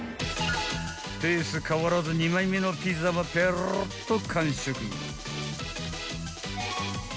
［ペース変わらず２枚目のピザもぺろっと完食］